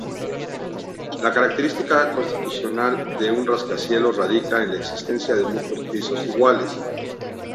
La característica constitucional de un rascacielos radica en la existencia de muchos pisos iguales.